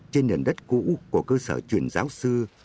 trên đền đất cũ của cơ sở truyền giáo xưa